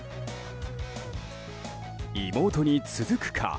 妹に続くか。